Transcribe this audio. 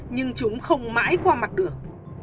nhưng chúng không mãi qua mặt được